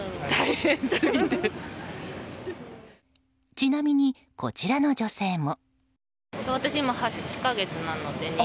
ちなみに、こちらの女性も。